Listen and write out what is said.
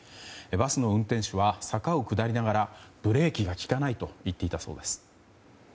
バスの運転手は坂を下りながらブレーキが利かないと言っていたそうです。